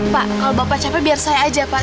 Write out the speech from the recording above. pak kalau bapak capek biar saya aja pak